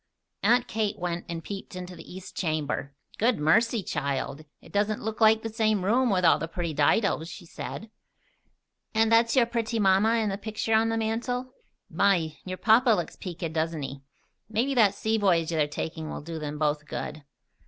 Aunt Kate went and peeped into the east chamber. "Good mercy, child! It doesn't look like the same room, with all the pretty didos," she said. "And that's your pretty mamma in the picture on the mantel? My! Your papa looks peaked, doesn't he? Maybe that sea voyage they are taking will do 'em both good."